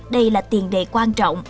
đây là tiền đề quan trọng